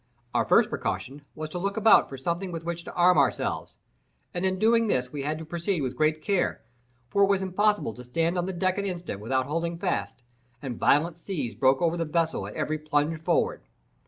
Our first precaution was to look about for something with which to arm ourselves, and in doing this we had to proceed with great care, for it was impossible to stand on deck an instant without holding fast, and violent seas broke over the vessel at every plunge forward.